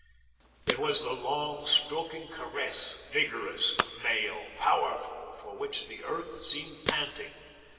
It was the long stroking caress, vigorous, male, powerful, for which the Earth seemed panting.